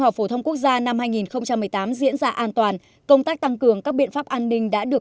học phổ thông quốc gia năm hai nghìn một mươi tám diễn ra an toàn công tác tăng cường các biện pháp an ninh đã được